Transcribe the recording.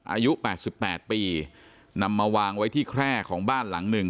อายุแปดสิบแปดปีนำมาวางไว้ที่แคล้ของบ้านหลังหนึ่ง